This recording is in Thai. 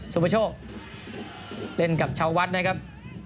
ประโชคเล่นกับชาววัดนะครับ